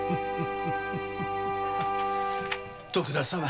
徳田様